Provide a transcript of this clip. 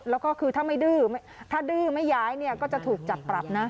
แล้วก็คือถ้าไม่ดื้อถ้าดื้อไม่ย้ายเนี่ยก็จะถูกจับปรับนะ